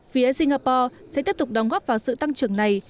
phía singapore sẽ tiếp tục đóng góp vào sự tăng trưởng này